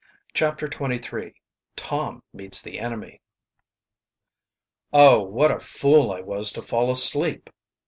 CHAPTER XXIII TOM MEETS THE ENEMY "Oh, what a fool I was to fall asleep!"